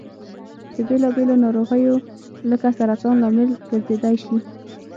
د بېلا بېلو نارغیو لکه سرطان لامل ګرځيدای شي.